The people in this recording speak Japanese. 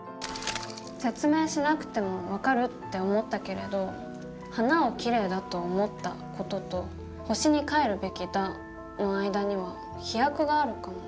説明しなくても分かるって思ったけれど「花をキレイだと思った」事と「星に帰るべきだ」の間には飛躍があるかも。